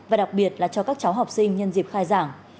và đặc biệt là cho các cháu học sinh nhân dịp khai giảng